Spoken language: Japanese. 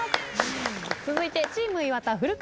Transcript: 続いてチーム岩田古川さん。